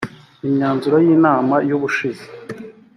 imyanzuro y inama y ubushize